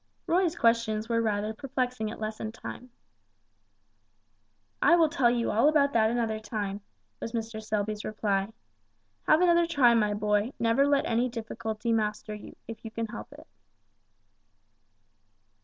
Roy's questions were rather perplexing at lesson time. "I will tell you all about that another time," was Mr. Selby's reply. "Have another try, my boy: never let any difficulty master you, if you can help it."